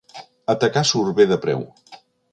Atacar surt bé de preu.